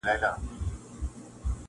درد مي درته وسپړم څوک خو به څه نه وايي -